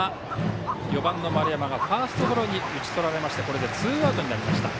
４番の丸山がファーストゴロに打ち取られましてこれでツーアウトになりました。